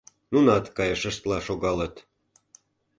Нунат кайышыштла шогалыт.